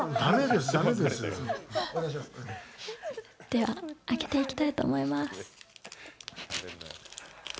では、開けていきたいと思います。